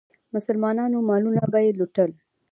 مسلمانانو مالونه به یې لوټل.